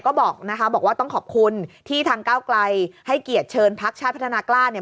ก็บอกนะคะบอกว่าต้องขอบคุณที่ทางก้าวไกลให้เกียรติเชิญพักชาติพัฒนากล้าเนี่ย